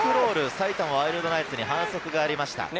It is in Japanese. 埼玉ワイルドナイツに反則がありました。